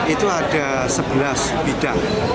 itu ada sebelas bidang